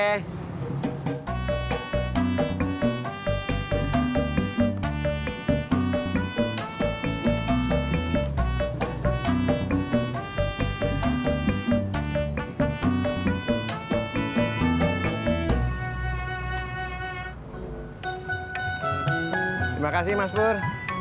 terima kasih mas pur